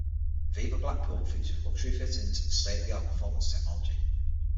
Viva Blackpool features luxury fittings and state-of-the-art performance technology.